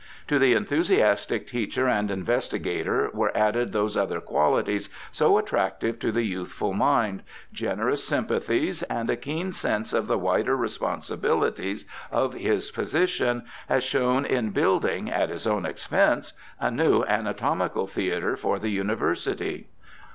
To the enthusiastic teacher and investigator were added those other qualities so attractive to the youthful mind, generous s^^mpathies and a keen sense of the wider responsibilities of his position, as shown in building, at his own expense, a new anatomical theatre for the University.